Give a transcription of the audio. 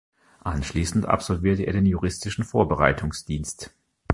Anschließend absolvierte er den Juristischen Vorbereitungsdienst.